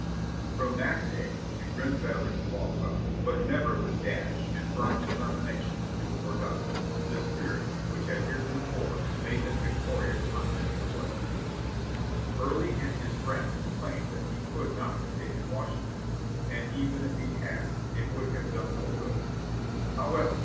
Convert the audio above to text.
From that day the grim veterans fought well, but never with dash, and firm determination to do or die, the spirit which had heretofore made them victorious on many a bloody field. Early and his friends claim that he could not have taken Wash ington, and even if he had it would have done no good. However